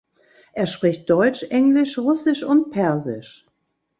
Er spricht Deutsch, Englisch, Russisch und Persisch.